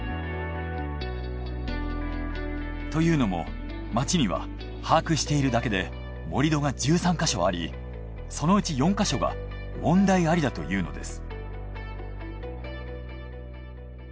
というのも町には把握しているだけで盛り土が１３か所ありそのうち４か所が問題ありだというのです。